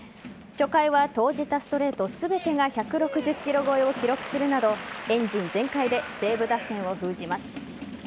初回は投じたストレート全てが１６０キロ超えを記録するなどエンジン全開で西武打線を封じます。